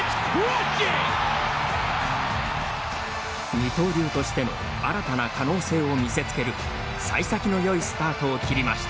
二刀流としての新たな可能性を見せつけるさい先のよいスタートを切りました。